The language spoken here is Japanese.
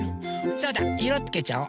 そうだいろつけちゃおう。